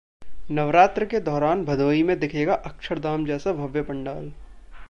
नवरात्र के दौरान भदोही में दिखेगा 'अक्षरधाम' जैसा भव्य पंडाल